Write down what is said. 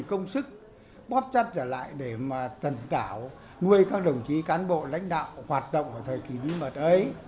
công sức bóp chất trở lại để tận tạo nuôi các đồng chí cán bộ lãnh đạo hoạt động ở thời kỳ bí mật ấy